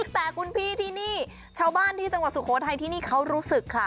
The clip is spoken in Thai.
แต่คุณพี่ที่นี่ชาวบ้านที่จังหวัดสุโขทัยที่นี่เขารู้สึกค่ะ